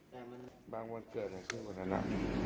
หลังวันเกิดในเมื่อกี้วันนั้นน่ะ